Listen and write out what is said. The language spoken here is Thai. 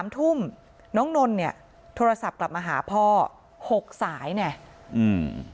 ทุ่มน้องนนเนี่ยโทรศัพท์กลับมาหาพ่อหกสายเนี่ยอืม